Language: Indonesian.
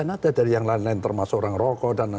ada dari yang lain lain termasuk orang rokok